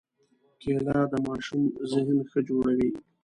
کېله د ماشومانو ذهن ښه جوړوي.